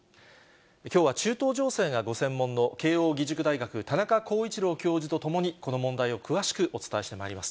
きょうは中東情勢がご専門の慶応義塾大学、田中浩一郎教授と共に、この問題を詳しくお伝えしてまいります。